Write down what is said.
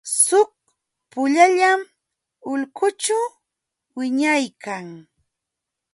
Suk puyallam ulqućhu wiñaykan.